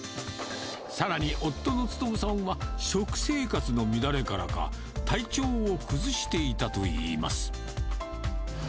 さらに夫の務さんは食生活の乱れからか、体調を崩していたといいます。